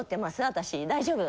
私大丈夫？